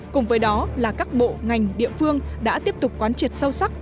cùng với đó là các bộ ngành địa phương đã tiếp tục quán triệt sâu sắc